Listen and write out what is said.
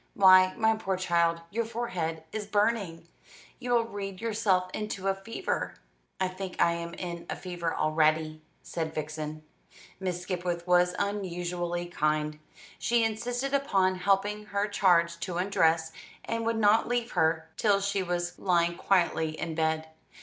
Why, my poor child, your fore head is burning. You will read yourself into a fever." "I think I am in a fever already," said Vixen. Miss Skipwith was unusually kind. She insisted upon helping her charge to undress, and would not leave her till she was lying quietly in bed.